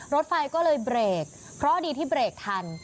รถไฟก็เลยเบรกเพราะดีที่เบรกทัน